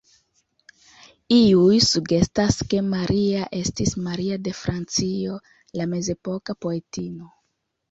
Iuj sugestas ke Maria estis Maria de Francio, la mezepoka poetino.